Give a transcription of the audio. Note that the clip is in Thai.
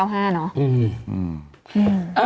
อืม